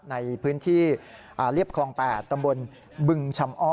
ในพื้นที่เรียบคลอง๘ตำบลบึงชำอ้อ